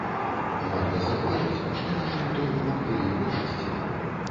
Варта заўважыць, што нашы ў той момант былі ў большасці.